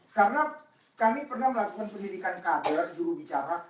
karena kami pernah melakukan pendidikan kader juru bicara